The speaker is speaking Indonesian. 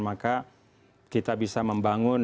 maka kita bisa membangun